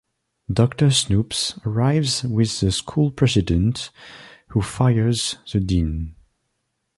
Doctor Snoops arrives with the school president, who fires the Dean.